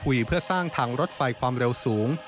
เริ่มพูดคุยเพื่อสร้างทางรถไฟความเร็วสูง